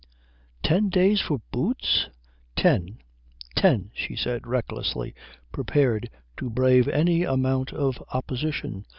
"Ten days for boots?" "Ten, ten," she said recklessly, prepared to brave any amount of opposition.